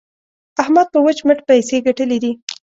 احمد په وچ مټ پيسې ګټلې دي.